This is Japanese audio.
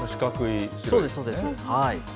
そうです。